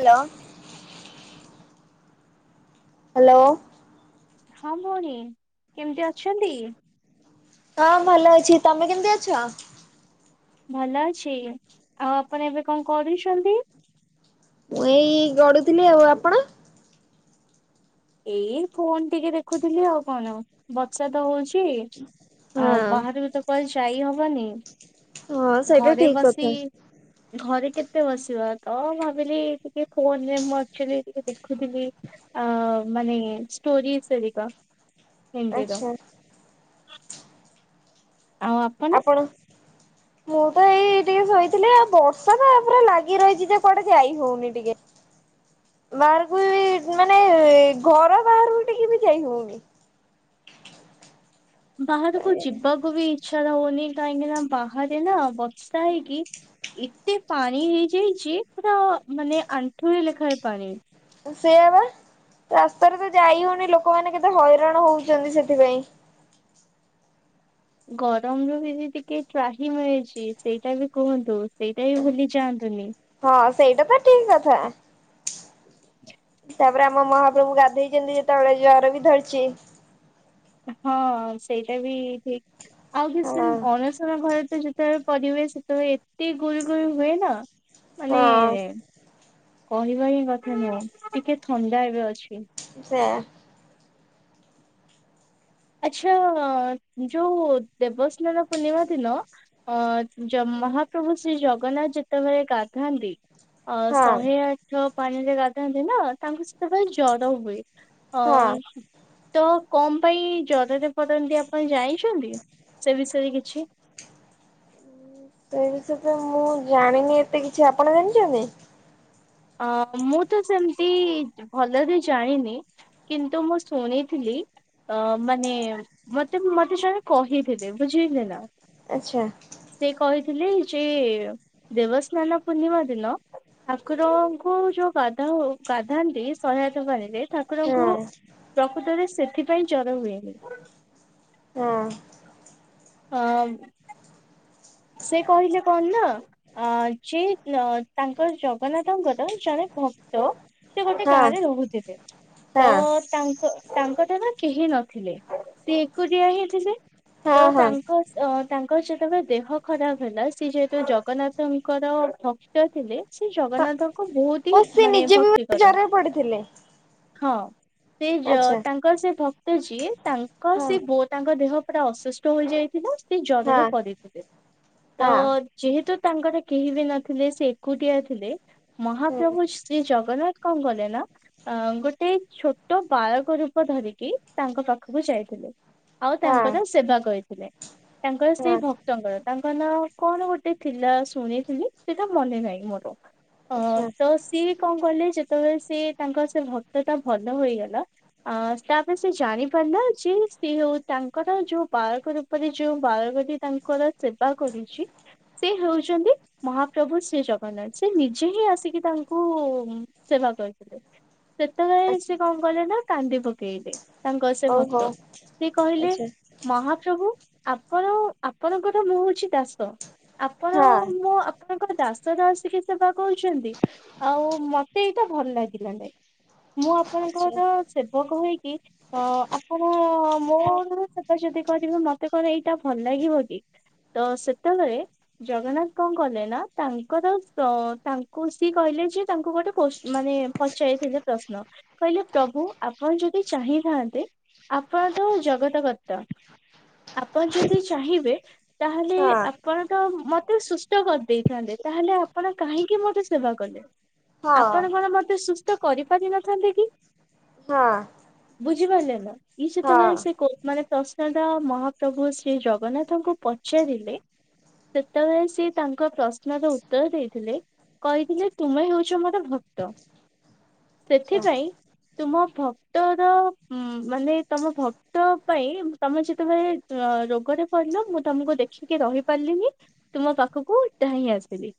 Hello. Hello. ହଁ ଭଉଣୀ କେମିତି ଅଛନ୍ତି? ହଁ ଭଲ ଅଛି ତମେ କେମିତି ଅଛ? ଭଲ ଅଛି ଆଉ ଆପଣ ଏବେ କଣ କରୁଛନ୍ତି? ମୁଁ ଏଇ ଗଡୁଥିଲି ।ଆଉ ଆପଣ? ଏଇ ଫୋନ ଟିକେ ଦେଖୁଥିଲି ଆଉ କଣ ବଚା ତ ହଉଛି। କି ହଁ। ଆଉ ବାହାରକୁ ତ କୁଆଡ଼େ ଯାଇ ହବନି। ହଁ ସେଇଟା ଘରେ ଠିକ ବସି କଥା। ଘରେ କେତେ ବସିବ ତ ଭାବିଲି ଟିକେ ଫୋନରେ ମୁଁ ଆକ୍ଚୁଲି ଟିକେ ଦେଖୁଥିଲି ଆ ମାନେ ଷ୍ଟୋରି ସେରିକ ହିନ୍ଦୀର। ଆଚ୍ଛା ଆପଣ? ମୁଁ ତ ଏଇ ଟିକେ ଶୋଇଥିଲି ଆଉ ବର୍ଷା ତା ପୁରା ଲାଗି ରହିଚି ଯେ କୁଆଡେ ଯାଇ ହଉନି ଟିକେ। ବାହାରକୁ ଏଇ ମାନେ ଘର ବାହାରକୁ ଟିକେ ବି ଯାଇ ହଉନି। ବାହାରକୁ ଯିବାକୁ ବି ଇଚ୍ଛା ଲାଗୁନି କାହିଁକି ନା ବାହାରେ ନା ବର୍ଷା ହେଇକି ଏତେ ପାଣି ହେଇଯାଇଛି ପୁରା ମାନେ ଆଣ୍ଠୁଏ ଲେଖାଏ ପାଣି। ସେୟା ପା। ରାସ୍ତାରେ ତ ଯାଇ ହଉନି ଲୋକମାନେ କେତେ ହଇରାଣ ହଉଛନ୍ତି ସେଥିପାଇଁ। ଗରମ ରୁ ବି ଦିଦି ଟିକେ ତ୍ରାହି ମିଳିଛି ସେଇଟା ବି କୁହନ୍ତୁ ସେଇଟା ବି ଭୁଲି ଯାଆନ୍ତୁନି। ହଁ ସେଇଟା ତ ଠିକ କଥା। ତାପରେ ଆମ ମହାପ୍ରଭୁ ଗାଧେଇଚନ୍ତି ଯେତେବେଳେ ଜର ବି ଧରିଚି। ହଁ ସେଇଟା ବି ଠିକ ଆଉ କିଛି ଦିନ ହଁ। ଅନୁସନ ଘରେ ତ ଯେତେବେଳେ ପରିବେଶ ତ ଏତେ ଗୁଳି ଗୁଳି ହୁଏ ନା ମାନେ ହଁ କହିବା ହିଁ କଥା ନୁହଁ ଟିକେ ଥଣ୍ଡା ଏବେ ଅଛି। ସେୟା। ଆଚ୍ଛା ଯୋଉ ଦେବସ୍ନାନ ପୂର୍ଣ୍ଣିମା ଦିନ ଅ ଜମା ମହାପ୍ରଭୁ ଶ୍ରୀ ଜଗନ୍ନାଥ ଯେତେବେଳେ ଗାଧାନ୍ତି ଅ ହଁ ଶହେ ଆଠ ପାଣିରେ ଗାଧାନ୍ତି ନା ତାଙ୍କୁ ସେତେବେଳେ ଜର ହୁଏ। ଅ ହଁ। ତ କଣ ପାଇଁ ଜରରେ [unintelligible] ପାଇଁ ଯାଇଛନ୍ତି ସେ ବିଷୟରେ କିଛି ସେ ବିଷୟରେ ମୁଁ ଜାଣିନି ଏତେ କିଛି। ଆପଣ ଜାଣିଚନ୍ତି? ଅ ମୁଁ ତ ସେମିତି ଭଲରେ ଜାଣିନି କିନ୍ତୁ ମୁଁ ଶୁଣିଥିଲି ଅ ମାନେ ମତେ ମତେ ଜଣେ କହିଥିଲେ ବୁଝିିଲେ ନା। ଆଚ୍ଛା। ଥିଲେ ଯେ ଦେବସ୍ନାନ ପୂର୍ଣ୍ଣିମା ଦିନ ତା ଠାକୁରଙ୍କୁ ଯୋଉ ଗାଧା ହୁ ଗାଧାନ୍ତି ଶହେଆଠ ପାଣିରେ ହଁ ଠାକୁରଙ୍କୁ ପ୍ରକୃତରେ ସେଥିପାଇଁ ଜର ହୁଏନି। ହଁ। ହଁ। ସେ କହିଲେ କଣ ନା ଯେ ତାଙ୍କର ଜ ଜଗନ୍ନାଥଙ୍କର ଜଣେ ଭକ୍ତ ସେ ଗୋଟେ ହଁ ଗାଁରେ ରହୁଥିଲେ। ତ ହଁ ତାଙ୍କ ତାଙ୍କର ନା କେହି ନଥିଲେ। ସେ ଏକୁଟିଆ ହେଇଛି ଯେ। ହଁ ତ ହଁ ତାଙ୍କ ଅ ତାଙ୍କର ଯେତେବେଳେ ଦେହ ଖରାପ ହେଲା ସିଏ ଯେହେତୁ ଜଗନ୍ନାଥଙ୍କର ଭକ୍ତ ଥିଲେ ସେ ହଁ ଜଗନ୍ନାଥଙ୍କ ବହୁତ ଓ ହିଁ ସେ ମାନେ ନିଜେ ବି ଭକ୍ତି କର ଜ୍ୱରରେ ପଡିଥିଲେ ହଁ ସେ ଯ ଆଚ୍ଛା ତାଙ୍କର ସେ ଭକ୍ତ ଯିଏ ତାଙ୍କ ହଁ। ସେ ବୋ ତାଙ୍କ ଦେହ ପୁରା ଅସୁସ୍ଥ ହୋଇଯାଇଥିଲା। ସେ ଜରରେ ହଁ ପଡ଼ିଥିଲେ। ତ ହଁ ଯେହେ ତାଙ୍କର କେହି ବି ନଥିଲେ ସେ ଏକୁଟିଆ ଥିଲେ ହୁଁ ମହାପ୍ରଭୁ ଶ୍ରୀ ଜଗନ୍ନାଥ କଣ ଗଲେ ନା ଅ ଗୋଟେ ଛୋଟ ବାଳକ ରୂପ ଧରିକି ତାଙ୍କ ପାଖକୁ ଯାଇଥିଲେ। ଆଉ ହଁ ତାଙ୍କର ସେବା କରିଥିଲେ। ତାଙ୍କର ହଁ ସେଇ ଭକ୍ତଙ୍କର। ତାଙ୍କ ନାଁ କଣ ଗୋଟେ ଥିଲା? ଶୁଣିଥିଲି ସେଟା ମନେ ନାହିଁ ମୋର। ଅ ଆଚ୍ଛା ତ ସିଏ କଣ କଲେ ଯେତେବେଳେ ସେ ତାଙ୍କର ସେ ଭକ୍ତ ଟା ଭଲ ହୋଇ। ଆଁ ସେ ତାପରେ ସେ ଜାଣିପାରିଲା ଯେ ସେ ହଉ ତାଙ୍କର ଯୋଉ ବାଳକ ରୂପରେ ଯୋଉ ବାଳକ ଟି ତାଙ୍କର ସେବା କରିଛି। ସେ ହେଉଛନ୍ତି ମହାପ୍ରଭୁ ଶ୍ରୀ ଜଗନ୍ନାଥ। ସେ ନିଜେ ହିଁ ଆସିକି ତାଙ୍କ ଙ୍କୁ ସେବା କରିଥିଲେ। ସେତେବେଳେ ଆଚ୍ଛା ସେ କଣ କଲେ ନା କାନ୍ଦି ପକେଇଲେ ତାଙ୍କର ସେ ଓହୋ ଭକ୍ତ। ସେ କହିଲେ ଆଚ୍ଛା ମହାପ୍ରଭୁ ଆପଣ ଆପଣଙ୍କର ମୁଁ ହଉଛି ଦାସ। ଆପଣ ହଁ ମୁଁ ଆପଣଙ୍କର ଦା ଈଶ୍ୱର ଆସିକି ସେବା କରୁଛନ୍ତି। ଆଉ ମତେ ଏଇଟା ଭଲ ଲାଗିଲାନି। ମୁଁ ଆଚ୍ଛା ଆପଣଙ୍କର ସେବକ ହେଇକି ଅ ଆପଣ ମୋ ହଁ ଦ୍ୱାରା ସେବା ଯଦି କରିବେ ମତେ କହେ ଏଇଟା ଭଲ ଲାଗିବ କି। ତ ସେତେବେଳେ ଜଗନ୍ନାଥ କଣ କଲେ ନା ତାଙ୍କର ତାଙ୍କୁ ସି କହିଲେ ଯେ ତାଙ୍କୁ ଗୋଟେ କୋ ମାନେ ପଚାରିଥିଲେ ପ୍ରଶ୍ନ କହିଲେ ପ୍ରଭୁ ଆପଣ ଯଦି ଚା ହିଁଥାନ୍ତେ ଆପଣ ତ ଜଗତ କର୍ତ୍ତା। ଆପଣ ଯଦି ଚାହିଁବେ ତାହେଲେ ଆପଣ ତ ମତେ ସୁସ୍ଥ କରିଦେଇଥାନ୍ତେ। ତାହେଲେ ଆପଣ କାହିଁକି ମତେ ସେବା କଲେ। ହଁ ଆପଣ କଣ ମତେ ସୁସ୍ଥ କରିପାରିନଥାନ୍ତି କି? ହଁ। ବୁଝିପାରିଲେ ନା। ଇ ହଁ ସେତେବେଳେ ସେ ମାନେ ପ୍ରଶ୍ନ ମହାପ୍ରଭୁ ଶ୍ରୀ ଜଗନ୍ନାଥଙ୍କୁ ପ ଚାରିଲେ ସେତେବେଳେ ସ ତାଙ୍କ ପ୍ର ପ୍ରଶ୍ନର ଉତ୍ତର ଦେଇଥିଲେ କହିଥିଲେ ତୁମେ ହେଉଛ ମୋର ଭକ୍ତ। ଆଚ୍ଛା ସେଥିପାଇଁ ତୁମ ଭ ଭକ୍ତର ମାନେ ତମ ଭକ୍ତ ପାଇଁ ତମେ ଯେତେବେଳେ ରୋଗରେ ପଡିଲ ମୁଁ ତମକୁ ଦେଖିକି ରହି ପାରିଲିନି। ତୁମ ପାଖକୁ ଧାଇଁ ଆସିଲି।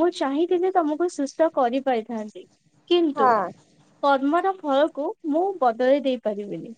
ମୁଁ ଚାହିଁଥିଲେ ତମକୁ ସୁସ୍ଥ କରିପାରିଥାନ୍ତି। କିନ୍ତୁ ହଁ କର୍ମର ଫଳକୁ ମୁଁ ବଦଳାଇ ଦେଇ ପାରିବିନି।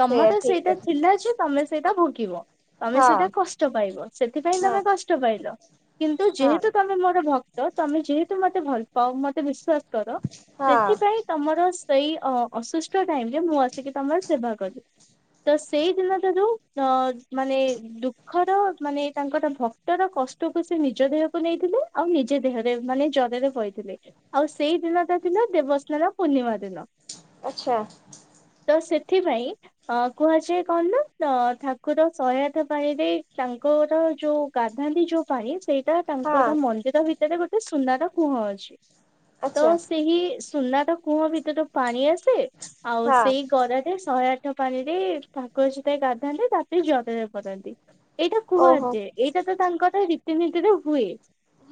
ତମ ସେଇଆ ଟା ଠିକ ସେଇଟା କଥା ଥିଲା ଯେ ତମେ ସେଇଟା ଭୋଗିବ । ତମେ ସେଟା ହଁ କଷ୍ଟ ପାଇବ ସେଥିପାଇଁ ହଁ ତମେ କଷ୍ଟ ପାଇଲ କିନ୍ତୁ ହଁ ଯେହେତୁ ତମେ ମୋର ଭକ୍ ତ ତମେ ଯେହେତୁ ମତେ ଭଲ ପାଅ ମତେ ବିଶ୍ଵାସ କର ହଁ ସେଥିପାଇଁ ତମର । ସେଇ ଅ ଅସୁସ୍ଥ ଟାଇମ ରେ ମୁଁ ଆସିକି ତମର ସେବା କଲି । ତ ସେଇଦିନ ତ ଯୋଉ ଅ । ମାନେ ଦୁଃଖର ମାନେ ତାଙ୍କର ଭକ୍ତର କଷ୍ଟକୁ ସେ ନିଜ ଦେହକୁ ନେଇଥିଲେ ଆଉ ନିଜ । ଦେହରେ ମାନେ ଜରରେ ପଡିଥିଲେ ଆଉ ସେଇ ଦିନଟା ଥିଲା ଦେବ । ସାନ ପୂର୍ଣ୍ଣିମା ଦିନ ଆଚ୍ଛା ତ ସେ । ଏଥିପାଇଁ ଅ କୁହାଯାଏ କଣ ନା ଠାକୁର । ସହେ ଆଠ ପାଣି ରେ ତାଙ୍କର ଯୋଉ ଗାଧାନ୍ତି ଯୋଉ ପାଣି । ସେଇଟା ହଁ ତାଙ୍କର ମନ୍ଦିର ଭିତରେ ଗୋଟେ ସୁନାର କୁହ ଅଛି। ତ ଆଚ୍ଛା ସେହି ସୁନାର କୂହ ଭିତରେ ପାଣି ଆସେ ଆଉ ହଁ ସେଇ ଗରାରେ ଶ ଶହେ ଆଠ ପାଣି ରେ । ଠାକୁର ସେଇଟାରେ ଗାଧାନ୍ତି ତାପରେ ଜର ରେ ପରନ୍ତି ଏଇଟା ଓହୋ କୁହାଯାଏ ଏଇଟା ତ ତାଙ୍କର। ତିନିଦିନ ହୁଏ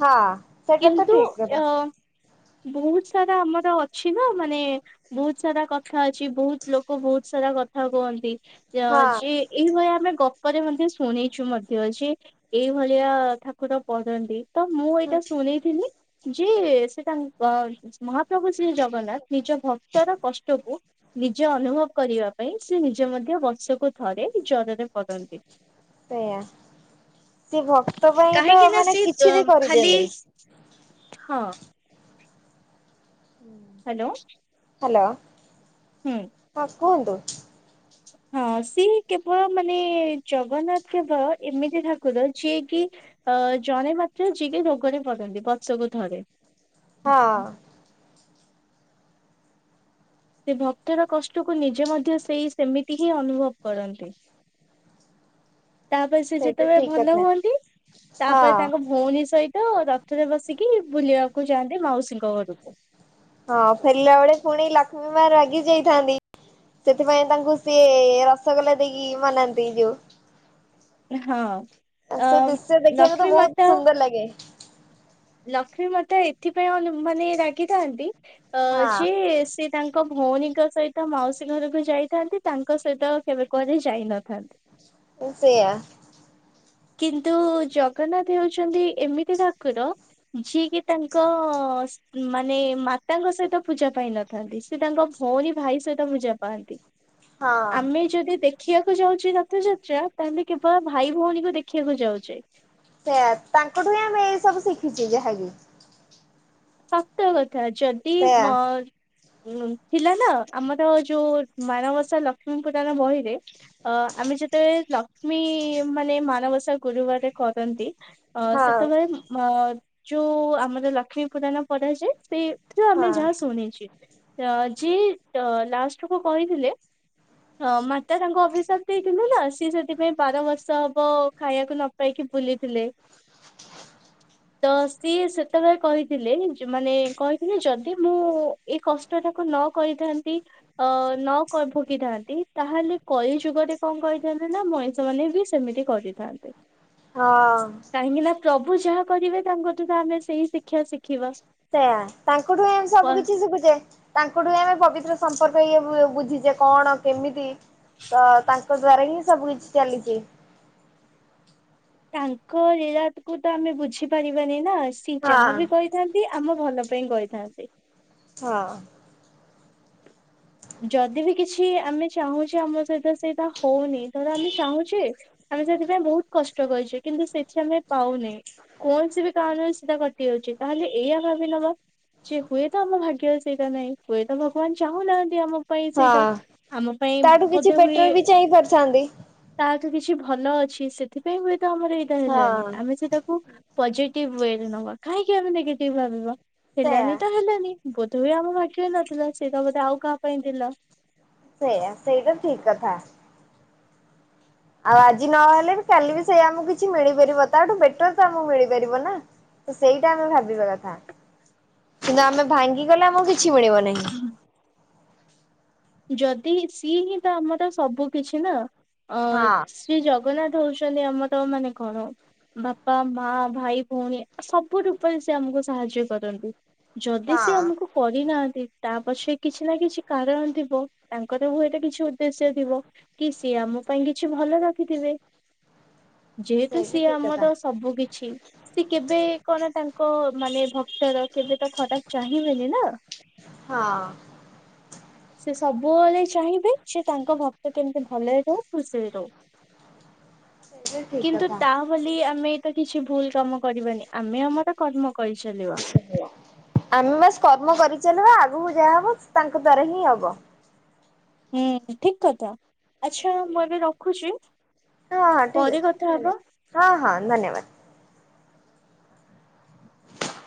ହଁ ସେଇଟା ତ କିନ୍ତୁ ଠିକ କଥା। ଅ। ବହୁତ ସାରା ଆମର ଅଛି ନା ମାନେ ବହୁତ ସାରା କଥା ଅଛି ବହୁତ ଲୋକ ବହୁତ ସାରା। ତ କଥା କୁହନ୍ତି ଯେ ହଁ ଆଜି। ଏଇଭଳିଆ ଆମେ ଗପରେ ମଧ୍ୟ ଶୁଣିଛୁ ମଧ୍ୟ ଯେ ଏଇଭଳିଆ ଠାକୁର ପଢନ୍ତି। ତ ମୁଁ ହୁଁ ଏଇଟା ଶୁଣିଥିଲି ଯେ ସେଟା‌ କ । ମହାପ୍ରଭୁ ଶ୍ରୀ ଜଗନ୍ନାଥ ନିଜ ଭକ୍ତର କଷ୍ଟକୁ ନିଜେ ଅନୁଭବ କରିବା ପାଇଁ। ସେ ନିଜେ ମଧ୍ୟ ବର୍ଷ କୁ। ଯର‌ରେ ପଦନ୍ତିି‌। ସେଇଆ ସେ ଭକ୍ତ ପାଇଁ ତ କାହିଁକି ନା ମାନେ ସେ ଜ କିଛି ବି ଖାଲି କରିଦିଅନ୍ତି। ହଁ। ହାଲୋ। ହାଲୋ । ହୁଁ । କୁହନ୍ତୁ । ହଁ ସିଏ କେବଳ ମାନେ ଜଗନ୍ନାଥ କେବଳ ଏମିତି ଠାକୁର ଯିଏ କି। ଅ ଜଣେ ମାତ୍ର ଯିଏ କି ରୋଗରେ ପଡ଼ନ୍ତି ବର୍ଷ କୁ ଥରେ। ହଁ । ସେ ଭକ୍ତର କଷ୍ଟକୁ ନିଜେ ମଧ୍ୟ ସେଇ ସେମିତି ହିଁ ଅନୁଭବ କରନ୍ତି। ତାପରେ ସେ ସେଇଟା ଯେତେବେଳେ ଠିକ ଭଲ କଥା ହୁଅନ୍ତି ତାପରେ ହଁ ତାଙ୍କ ଭଉଣୀ ସହି ରଥରେ ବସିକି ବୁଲିବାକୁ ଯାଆନ୍ତି ମାଉସୀଙ୍କ ଘରକୁ। ହଁ ଫେରିଲା ବେଳେ ପୁଣି ଲକ୍ଷ୍ମୀ ମା ରାଗି ଯାଇଥାନ୍ତି। ସେଥିପାଇଁ ତାଙ୍କୁ ସିଏ ରସଗୋଲା ଦେଇକି ମନାନ୍ତି ଯୋଉ। ହଁ । ସେ ଦୃଶ୍ୟ ଅ ଦେଖିବାକୁ ତ ଲକ୍ଷ୍ମୀ ବହୁତ ମାତା ସୁନ୍ଦର ଲାଗେ ଲକ୍ଷ୍ମୀ ମା ତା ଏଥିପାଇଁ ମାନେ ରାଗିଥାନ୍ତି ଅ ଯେ ସେ ତାଙ୍କ। ଭଉଣୀଙ୍କ ସହିତ ମାଉସୀ ଘରକୁ ଯାଇଥାନ୍ତି ତାଙ୍କ ସହିତ କେବେ କୁଆଡ଼େ ଯାଇନଥାନ୍ତି। ସେୟା । କିନ୍ତୁ ଜଗନ୍ନାଥ ହଉଛନ୍ତି ଏମିତି ଠାକୁର। ଯିଏ କି ତାଙ୍କ ସ ମାନେ ମାତାଙ୍କ ସହିତ। ପୂଜା ପାଇ ନଥାନ୍ତି ସେ ତାଙ୍କ ଭଉଣୀ ଭାଇ ସହିତ ପୂଜା ପାଆନ୍ତି। ହଁ। ଆମେ ଯଦି ଦେଖିବାକୁ ଯାଉଛେ ରଥଯାତ୍ରା ତାହେଲେ କେବଳ ଭାଇ ଭଉଣୀକୁ ଦେଖ। ତାଙ୍କଠୁ ହିଁ ଆମେ ଏଇ ସବୁ ଶିଖିଛେ ଯାହାବି। ସତ କଥା ଯଦି ସେଇଆ ମୋର‌। ଉଁ ଥିଲା ନା ଆମର ଯୋଉ ମାଣ ବସା ଲକ୍ଷ୍ମୀ ପୁରାଣ ବହିରେ ଅ ଆମେ ଯ ଯେତେବେଳେ ଲକ୍ଷ୍ମୀ ମାନେ ମାଣବସା ଗୁରୁବାର କରନ୍ତି। ଅ ହଁ ସେତେବେଳେ ଅଁ ଯୋଉ ଆମର ଲକ୍ଷ୍ମୀ ପୁରାଣ ପଡାଯାଏ ସେ । ଥିରୁ ଆମେ ହଁ ଯାହା ଶୁଣିଚେ ଯିଏ ଲାଷ୍ଟ କୁ କହିଥିଲେ । ହଁ ମାତା ତାଙ୍କୁ ଅଭିିଶାପ ଦେଇକିଗଲା। ସିଏ ସେଥିପାଇଁ ବାର ବର୍ଷ ହବ ଖାଇବାକୁ ନ ପାଇକି ବୁଲିଥିଲେ। ତ ସିଏ ସେତେବେଳେ କହି ଥିଲେ ମାନେ କହିଥିଲେ ଯଦି ମୁଁ ଏଇ କଷ୍ଟଟାକୁ ନ କରିଥାନ୍ତି ଅ ନ ଭୋଗିଥାନ୍ତି ତାହେଲେ କଳି ଯୁଗରେ କଣ କହିଥାନ୍ତେ ନା ମଣିଷ ମାନେ ବି ସେମିତି କରିଥାନ୍ତେ। କାହିଁକି ହଁ। ନା ପ୍ରଭୁ ଯାହା କରିବେ ତାଙ୍କଠୁ ତ ଆମେ ସେଇ ଶିକ୍ଷା ଶି ସେଇୟା ତାଙ୍କଠୁ ଆମେ ସବୁ କ- କିଛି ଶିଖୁଚେ। ତାଙ୍କଠୁ ଆମେ ପବିତ୍ର ସମ୍ପର୍କ ଇଏ ବୁଝିଚେ କଣ କେମିତି। ତ ତାଙ୍କ ଦ୍ଵାରା ହିଁ ସବୁ କିଛି ଚାଲିଚି। ତାଙ୍କ ଲୀଳା କୁ ତ ଆମେ ବୁଝିପାରିବାନି ନା। ସେ ହଁ ଯାହା ବିି କରିଥାନ୍ତି ଆମ ଭଲ ପାଇଁ କରିଥାନ୍ତି। ହଁ। ଯଦି ବି କିଛି ଆମେ ଚାହୁଁଚେ ଆମ ସହିତ ସେଇଟା ହଉନି। ଧର ଆମେ ଚାହୁଁଚେ ଆମେ ସେଥିପାଇଁ ବହୁତ କଷ୍ଟ କରିଚେ। କିନ୍ତୁ ସେ କିଛି ଆମେ ପାଉନେ। କୌଣସି ବି କାରଣରେ ସେଟା କଟି ଯାଉଛି। ତାହେଲେ ଏଇଆ ଭାବି ନବା ଯେ ହୁଏତ ଆମ ଭାଗ୍ୟର ସେଇଟା ନାହିଁ। ହୁଏତ ଭଗବାନ ଚାହୁଁନାହାନ୍ତି। ଆମ ପାଇଁ ସେଇଟା ହଁ ଆମ ପାଇଁ ତାଠୁ କିଛି ବୋଧେ ହୁଏ ବେଟର ବି ଚାହିଁ ପାରିଥାନ୍ତି ତା କିଛି ଭଲ ଅଛି ସେଥିପାଇଁ ହୁଏତ ଆମର ଏଇଟା ହେଲାନି। ହଁ ଆମେ ସେଟାକୁ ପଜେ ଟିଭ ୱେ ରେ ନେବା। କାହିଁକି ଆମେ ନେଗଟିଭ୍ ଭାବିବା। ସେୟା। ହେଲାନି ତ ହେଲାନି। ଗୋଟି [unintelligible] ଆମ ଭାଗ୍ୟ ରେ ନଥିଲା। ସେଟା ବୋଧେ ଆଉ କା ସେଇୟା, ସେଇଟା ଠିକ କଥା। ଆଉ ଆଜି ନହେଲେ ବି କାଲି ବି ସେଇ ଆମକୁ କିଛି ମିଳିପାରିବ ତାଠୁ ବେଟର ତ ଆମକୁ ମିଳିପାରିବ ନା। ତ ସେଇଟା ଆମେ ଭାବିବା କଥା। କିନ୍ତୁ ଆମେ ଭାଙ୍ଗିଗଲେ ଆମକୁ କି କିଛି ମିଳିବ ନାହିଁ। ଯଦି ସିଏ ହିଁ ତ ଆମର ସବୁ କିଛି ନା। ଅ ହଁ ଶ୍ରୀ ଜଗ ଜଗନ୍ନାଥ ହଉଛନ୍ତି ଆମର ତ ମାନେ କଣ ବାପା, ମା, ଭାଇ, ଭଉଣୀ ସବୁ ରୂପରେ ସେ ଆମକୁ ସାହାଯ୍ୟ କରନ୍ତି। ଯଦି ସେ ହଁ। ଆମକୁ କରିନାହାନ୍ତି ତା ପଛରେ କିଛି ନା କିଛି କାରଣ ଥି ତାଙ୍କର ହୁଏ ଏଟା କିଛି ଉଦ୍ଦେଶ୍ୟ ଥିବ କି ସିଏ ଆମ ପାଇଁ କିଛି ଭଲ ରଖିଥିବେ। ଯେହେତୁ ସେଇ ବି ସିଏ ଠିକ କଥା ଆମର ସବୁ କିଛି। ସେ କେବେ କଣ ତାଙ୍କ ମାନେ ଭକ୍ତର କେବେ ତ ଖରାପ ଚାହିଁବେନି ନା। ହଁ। ସେ ସବୁବେଳେ ଚାହିଁବେ ସେ ତାଙ୍କ ଭକ୍ତ କେମିତି ଭଲରେ ରହୁ। ଖୁସିରେ ରହୁ। [unintelligible] କିନ୍ତୁ ତା ବୋଲି ଆମେ ତ କିଛି ଭୁଲ କାମ କରିବାନି। ଆମେ ଆମର କର୍ମ କରିଚାଲିବା। [inaudible] ଆମେ ବାସ୍ କର୍ମ କରିଚାଲିବା ଆଗକୁ ଯାହା ହବ ତାଙ୍କ ଦ୍ଵାରା ହିଁ ହବ। ହୁଁ ଠିକ କଥା। ଆଚ୍ଛା ମୁଁ ଏବେ ରଖୁଛି। ହଁ ହଁ ଠିକ ପରେ ଅଛି କଥା ହବା। ଧନ୍ୟବାଦ ହଁ ହଁ ଧନ୍ୟବାଦ।